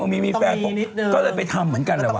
มีแฟนพวกนี้ก็เลยไปทำเหมือนกันแหละว